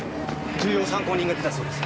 重要参考人が出たそうです。